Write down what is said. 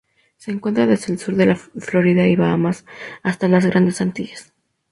Se encuentra desde el sur de Florida y Bahamas hasta las Grandes Antillas.